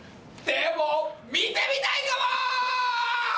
でも見てみたいかも！！